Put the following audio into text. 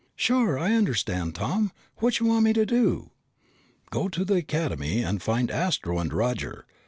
"Sure, I understand, Tom. Whatcha want me to do?" "Go to the Academy and find Astro and Roger.